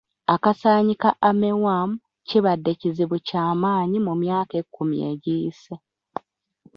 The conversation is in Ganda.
Akasaanyi ka armyworm kibadde kizibu ky'amaanyi mu myaka ekkumi egiyise.